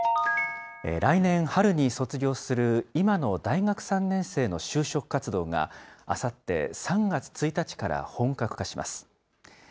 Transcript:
来年春に卒業する今の大学３年生の就職活動が、あさって３月１日から本格化します。